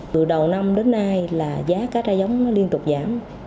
từ đầu năm đến nay là giá cá tra giống liên tục giảm